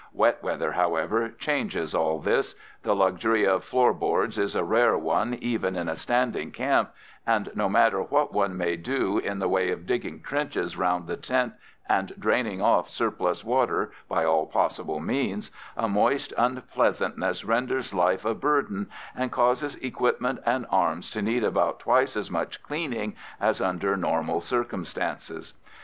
Wet weather, however, changes all this. The luxury of floor boards is a rare one even in a standing camp, and, no matter what one may do in the way of digging trenches round the tent and draining off surplus water by all possible means, a moist unpleasantness renders life a burden and causes equipment and arms to need about twice as much cleaning as under normal circumstances.